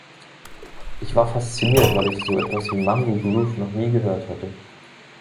Ich war fasziniert, weil ich so etwas wie Mango Groove noch nie gehört hatte.